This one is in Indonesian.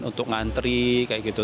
untuk ngantri kayak gitu